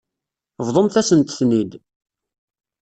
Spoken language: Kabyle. Bḍumt-asent-ten-id.